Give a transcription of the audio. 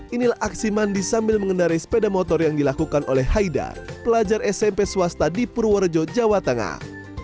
inilah aksi mandi sambil mengendarai sepeda motor yang dilakukan oleh haida pelajar smp swasta di purworejo jawa tengah